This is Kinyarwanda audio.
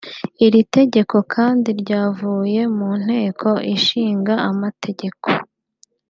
Iri tegeko kandi ryavuye mu Nteko Ishinga Amategeko